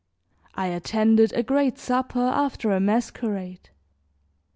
I attended a great supper, after a masquerade.